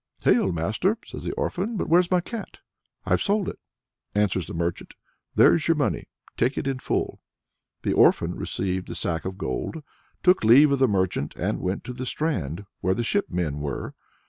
"Hail, master!" says the orphan. "But where's my cat?" "I've sold it," answers the merchant; "There's your money, take it in full." The orphan received the sack of gold, took leave of the merchant, and went to the strand, where the shipmen were.